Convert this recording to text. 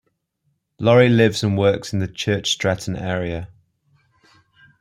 Laurie lives and works in the Church Stretton area.